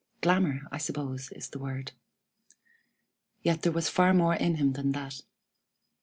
Glamour, I suppose, is the word. Yet there was far more in him than that.